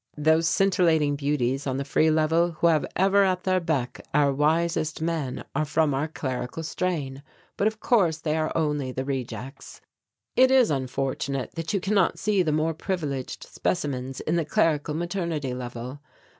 Those scintillating beauties on the Free Level who have ever at their beck our wisest men are from our clerical strain, but of course they are only the rejects. It is unfortunate that you cannot see the more privileged specimens in the clerical maternity level.